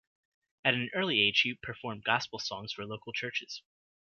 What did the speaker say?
At an early age, she performed gospel songs for local churches.